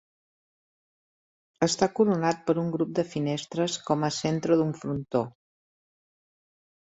Està coronat per un grup de finestres com a centre d'un frontó.